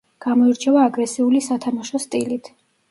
გამოირჩევა აგრესიული სათამაშო სტილით.